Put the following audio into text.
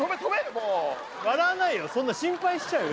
もう笑わないよ心配しちゃうよ